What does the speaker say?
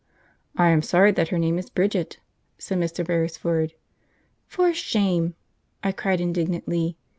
"I am sorry that her name is Bridget," said Mr. Beresford. "For shame!" I cried indignantly.